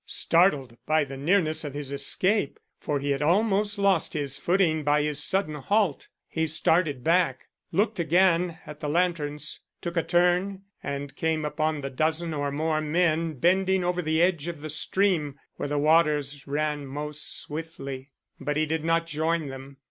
Startled by the nearness of his escape, for he had almost lost his footing by his sudden halt, he started back, looked again at the lanterns, took a turn and came upon the dozen or more men bending over the edge of the stream where the waters ran most swiftly. But he did not join them.